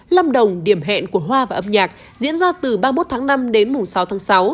lâm đồng điểm hẹn của hoa và âm nhạc diễn ra từ ba mươi một tháng năm đến mùng sáu tháng sáu